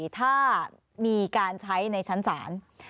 ถ้ามีการใช้ในชั้นศาล